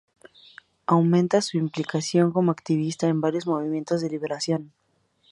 Aumenta su implicación como activista en varios movimientos de liberación.